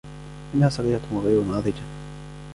إنها صغيرة وغير ناضِجة.